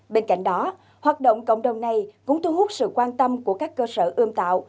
bên cạnh đó hoạt động cộng đồng này cũng thu hút sự quan tâm của các cơ sở ươm tạo